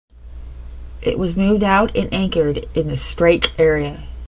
It was moved out and anchored in the strake area.